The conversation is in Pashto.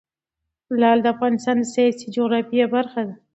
لعل د افغانستان د سیاسي جغرافیه برخه ده.